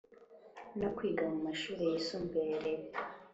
yo kwiga mu mashuri yisumbuye ya leta.